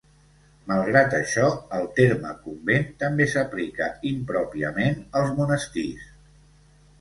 Malgrat això, el terme convent també s'aplica, impròpiament, als monestirs.